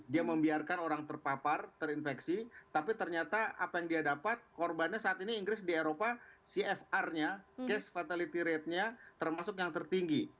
dia membiarkan orang terpapar terinfeksi tapi ternyata apa yang dia dapat korbannya saat ini inggris di eropa cfr nya case fatality ratenya termasuk yang tertinggi